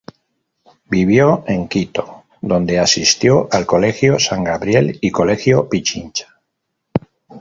Vivió en Quito, donde asistió al Colegio San Gabriel y Colegio Pichincha.